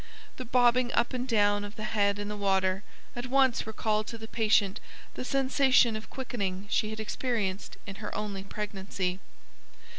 The bobbing up and down of the head in the water at once recalled to the patient the sensation of quickening she had experienced in her only pregnancy.